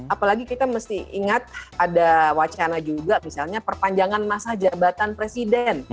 apalagi kita mesti ingat ada wacana juga misalnya perpanjangan masa jabatan presiden